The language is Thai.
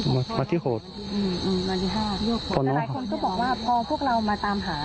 วันที่หกอืมอืมวันที่ห้าแต่หลายคนก็บอกว่าพอพวกเรามาตามหา